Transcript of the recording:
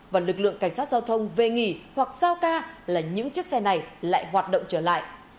và lực lượng cảnh sát giao thông về nghỉ hoặc sao ca là những chiếc xe này lại hoạt động trở lại